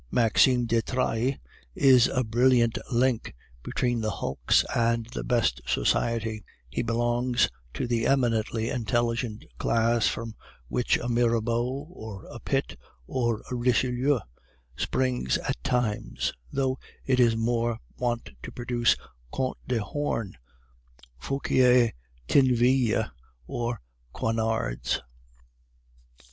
Maxime de Trailles is a brilliant link between the hulks and the best society; he belongs to the eminently intelligent class from which a Mirabeau, or a Pitt, or a Richelieu springs at times, though it is more wont to produce Counts of Horn, Fouquier Tinvilles, and Coignards."